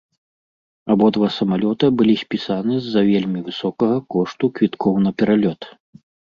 Абодва самалёта былі спісаны з-за вельмі высокага кошту квіткоў на пералёт.